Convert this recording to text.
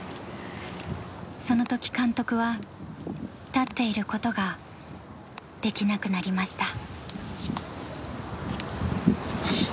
そのとき監督は立っていることができなくなりました。